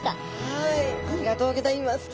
はいありがとうギョざいます。